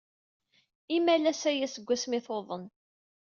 Imalas aya seg wasmi ay tuḍen.